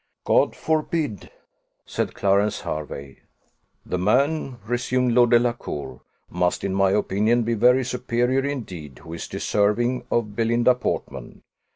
"God forbid!" said Clarence Hervey. "The man," resumed Lord Delacour, "must, in my opinion, be very superior indeed who is deserving of Belinda Portman.